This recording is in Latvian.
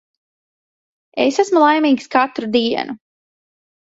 Es esmu laimīgs katru dienu.